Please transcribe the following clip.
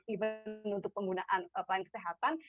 event untuk penggunaan pelayanan kesehatan